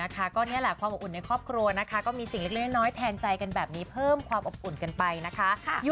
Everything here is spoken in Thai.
ครอบครัวก็มีสิ่งเล็กน้อยแทนใจกันแบบนี้เพิ่มความอบอุ่นกันไปนะคะ